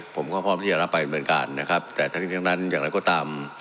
ผมก็พร้อมที่จะรับไปดำเนินการนะครับแต่ทั้งนี้ทั้งนั้นอย่างไรก็ตาม